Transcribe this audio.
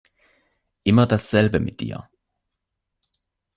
Immer dasselbe mit dir.